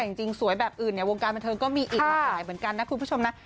แต่จริงสวยแบบอื่นเนี่ยวงการบันเทิงก็มีอีกหลากหลายเหมือนกันนะคุณผู้ชมนะ